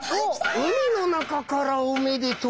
「海の中からおめでとう」